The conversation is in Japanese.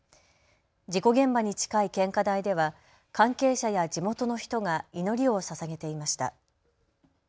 事故現場に近い献花台では関係者や地元の人が祈りをささげていました。